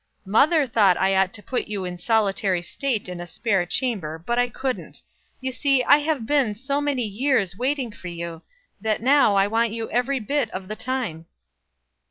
Mother thought I ought to put you in solitary state in a spare chamber, but I couldn't. You see I have been so many years waiting for you, that now I want you every bit of the time."